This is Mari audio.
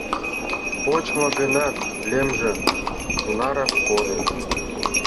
Почмо гынат, лемже тунарак кодын.